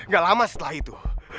ga lama setelah itu